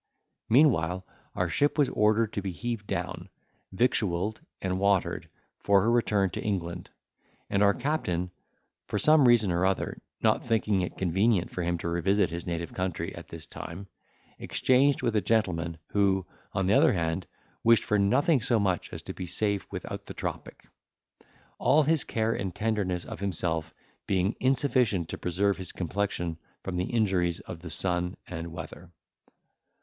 Meanwhile our ship was ordered to be heaved down, victualled, and watered, for her return to England; and our captain, for some reason or other, not thinking it convenient for him to revisit his native country at this time, exchanged with a gentleman, who, on the other hand, wished for nothing so much as to be safe without the tropic: all his care and tenderness of himself being insufficient to preserve his complexion from the injuries of the sun and weather.